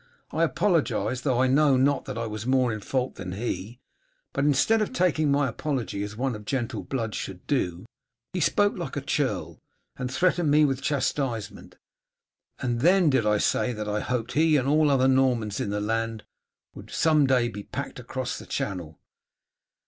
"I apologized, though I know not that I was more in fault than he; but instead of taking my apology as one of gentle blood should do, he spoke like a churl, and threatened me with chastisement, and then I did say that I hoped he and all other Normans in the land would some day be packed across the Channel."